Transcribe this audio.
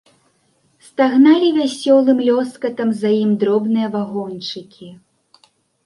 Стагналі вясёлым лёскатам за ім дробныя вагончыкі.